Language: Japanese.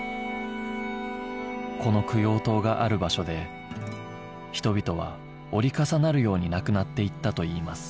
この供養塔がある場所で人々は折り重なるように亡くなっていったといいます